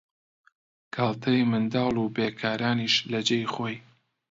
گاڵتەی منداڵ و بیکارانیش لە جێی خۆی